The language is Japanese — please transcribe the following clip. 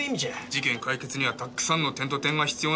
事件解決にはたくさんの点と点が必要なんだよ。